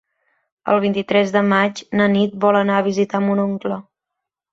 El vint-i-tres de maig na Nit vol anar a visitar mon oncle.